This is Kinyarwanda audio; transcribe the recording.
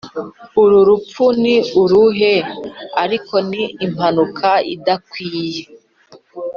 uru rupfu ni uruhe ariko ni impanuka idakwiye?